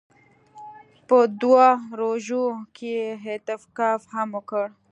په دوو روژو کښې يې اعتکاف هم وکړ.